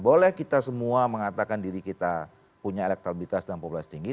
boleh kita semua mengatakan diri kita punya elektabilitas dan populasi tinggi